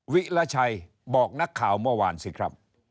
วิราชัยบอกนักข่าวเมื่อวานสิครับ